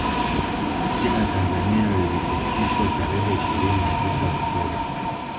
Jina Tanzania lilipitishwa tarehe ishirini na tisa Oktoba